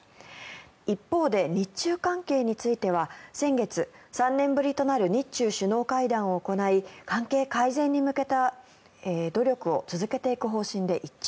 一方で日中関係については先月３年ぶりとなる日中首脳会談を行い関係改善に向けた努力を続けていく方針で一致。